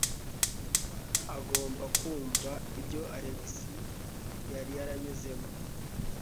Agomba kumva ibyo Alex yari yaranyuzemo.